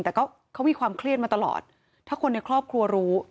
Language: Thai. แต่ก็เขามีความเครียดมาตลอดถ้าคนในครอบครัวรู้